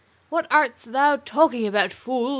"What art thou talking about, fool?"